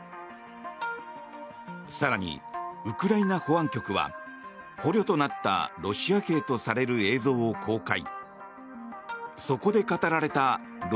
更に、ウクライナ保安局は捕虜となったロシア兵とされる映像を公開。